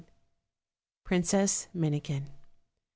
PRINCESS MINIKIN.